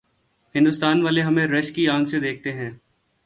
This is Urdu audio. ہندوستان والے ہمیں رشک کی آنکھ سے دیکھتے۔